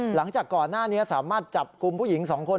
หลังจากก่อนหน้านี้สามารถจับกลุ่มผู้หญิง๒คน